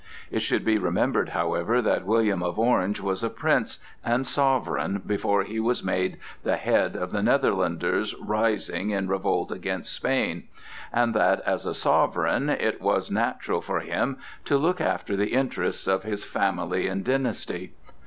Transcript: It should be remembered, however, that William of Orange was a prince and sovereign before he was made the head of the Netherlanders rising in revolt against Spain, and that, as a sovereign, it was natural for him to look after the interests of his family and dynasty.